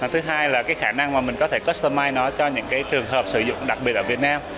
thứ hai là khả năng mà mình có thể customize nó cho những trường hợp sử dụng đặc biệt ở việt nam